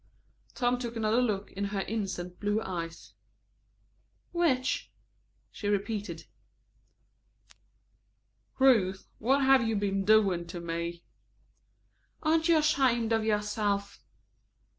Tom took another look into her innocent blue eyes. "Which?" she repeated. "Ruth, what have you been doing to me?" "Aren't you ashamed of yourself?"